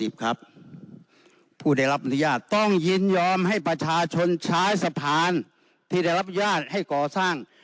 ผู้ได้รับอนุญาตต้องยินยอมให้ประชาชนใช้สะพานที่ได้รับอนุญาตให้ก่อสร้าง